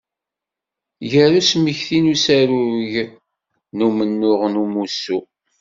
Gar usmekti n uzarug d umennuɣ n umussu.